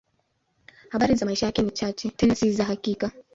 Habari za maisha yake ni chache, tena si za hakika.